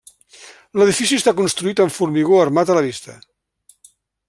L'edifici està construït amb formigó armat a la vista.